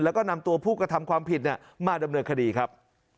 แล้วก็นำตัวผู้กระทำความผิดมาดำเนินคดีครับ